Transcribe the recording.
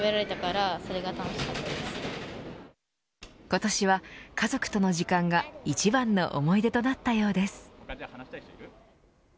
今年は家族との時間が一番の思い出となったようです。